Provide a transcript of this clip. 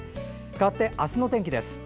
かわって明日の天気です。